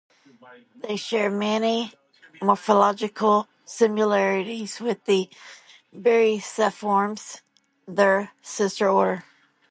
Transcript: They share many morphological similarities with the Beryciformes, their sister order.